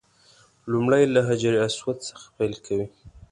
لومړی له حجر اسود څخه پیل کوي.